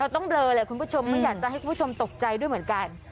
ต้องเบลอแหละคุณผู้ชมไม่อยากจะให้คุณผู้ชมตกใจด้วยเหมือนกัน